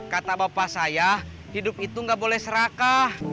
kata bapak saya hidup itu gak boleh serakah